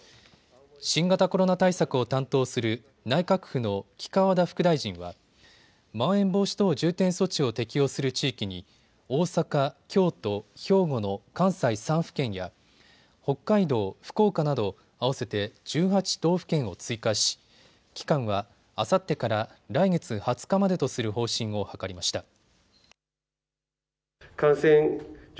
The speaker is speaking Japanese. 新型コロナ対策を担当する内閣府の黄川田副大臣はまん延防止等重点措置を適用する地域に大阪、京都、兵庫の関西３府県や北海道、福岡など合わせて１８道府県を追加し期間はあさってから来月２０日までとする方針を諮りました。